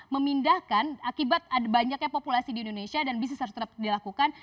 memindahkan akibat ada banyaknya populasi di indonesia dan bisnis harus tetap dilakukan